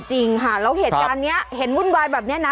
จริงค่ะแล้วเหตุการณ์นี้เห็นวุ่นวายแบบนี้นะ